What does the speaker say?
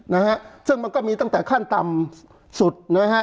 นะฮะซึ่งมันก็มีตั้งแต่ขั้นต่ำสุดนะฮะ